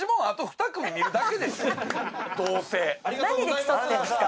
何で競ってるんですか？